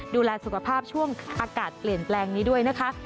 ดูแลสุขภาพช่วงอากาศเปลี่ยนแปลงนี้ด้วยนะคะ